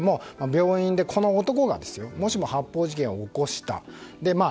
病院で、この男がもしも発砲事件を起こした。